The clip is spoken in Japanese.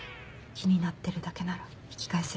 気になってるだけなら引き返せる。